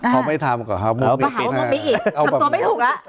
ของไม่ทำก็หาว่ากมมิอิก